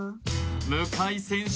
向井選手